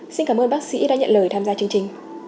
xin cảm ơn bác sĩ đã nhận lời tham gia chương trình